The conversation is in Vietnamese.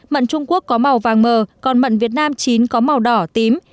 mận trung quốc có màu vàng mờ còn mận việt nam chín có màu đỏ tím